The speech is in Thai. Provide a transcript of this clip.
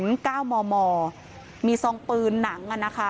เม๘๕มมอร์มีซองปือนังอ่ะนะคะ